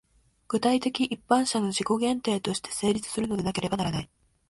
具体的一般者の自己限定として成立するのでなければならない。